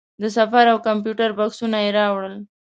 د سفر او کمپیوټر بکسونه یې راوړل.